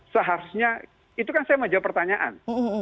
seharusnya itu kan saya mau jawab pertanyaan